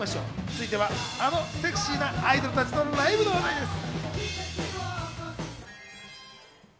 続いては、あのセクシーなアイドルたちのライブの話題です。